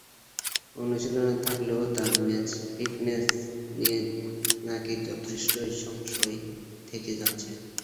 অনুশীলনে থাকলেও তাঁর ম্যাচ ফিটনেস নিয়ে নাকি যথেষ্টই সংশয় থেকে যাচ্ছে।